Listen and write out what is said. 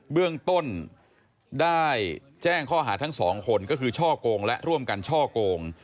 เบื้องต้นได้แจ้งข้อหาทั้งสองคนก็คือช่อกงและร่วมกันช่อโกง